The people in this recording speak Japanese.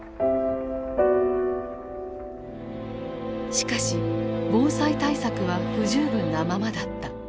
しかし防災対策は不十分なままだった。